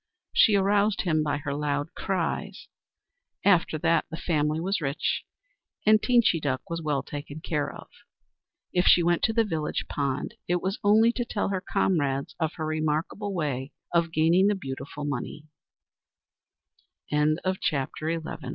She aroused him by her loud cries. After that, the family was rich and Teenchy Duck was well taken care of. If she went to the village pond it was only to tell her comrades of her remarkable way of gaining the bea